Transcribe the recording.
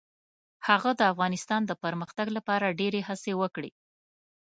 هغه د افغانستان د پرمختګ لپاره ډیرې هڅې وکړې.